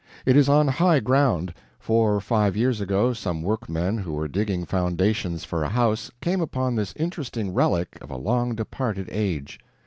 It is on high ground. Four or five years ago, some workmen who were digging foundations for a house came upon this interesting relic of a long departed age.